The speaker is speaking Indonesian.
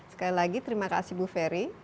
sekali lagi terima kasih bu ferry